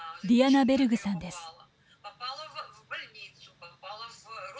ディアナ・ベルグさんです。